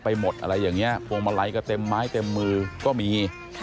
หมดอะไรอย่างนี้พวงมาลัยก็เต็มไม้เต็มมือก็มี